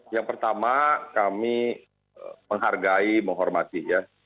yang pertama kami menghargai menghormati ya